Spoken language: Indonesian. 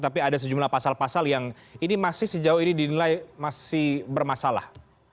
tapi ada sejumlah pasal pasal yang ini masih sejauh ini dinilai masih bermasalah